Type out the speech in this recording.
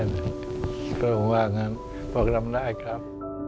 ย้ำมาเลยบอกรำได้ครับ